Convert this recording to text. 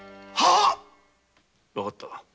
わかった。